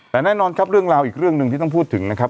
แต่แน่นอนครับเรื่องราวอีกเรื่องหนึ่งที่ต้องพูดถึงนะครับ